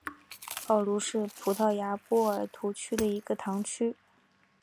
奥卢是葡萄牙波尔图区的一个堂区。